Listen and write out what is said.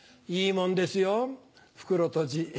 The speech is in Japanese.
いいもんですよ袋とじ。